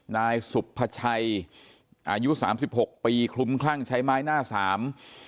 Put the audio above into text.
นายสุบพระชัยอายุ๓๖ปีคลุมคลั่งใช้ไม้หน้าสาม